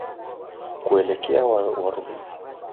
kuelekea warudishaji wa wakazi wa eneo hilo